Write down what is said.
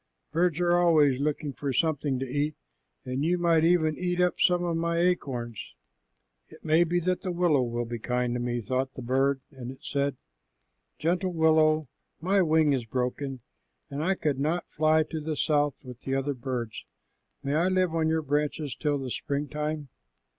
Birds are always looking for something to eat, and you might even eat up some of my acorns." "It may be that the willow will be kind to me," thought the bird, and it said, "Gentle willow, my wing is broken, and I could not fly to the south with the other birds. May I live on your branches till the springtime?"